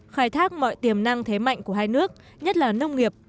khai thác mọi tiềm năng thế mạnh của hai nước nhất là nông nghiệp